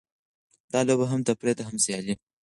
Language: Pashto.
دا لوبه هم تفریح ده؛ هم سیالي.